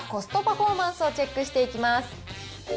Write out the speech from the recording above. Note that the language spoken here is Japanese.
まずはコストパフォーマンスをチェックしていきます。